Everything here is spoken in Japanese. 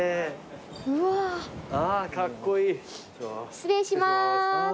失礼します。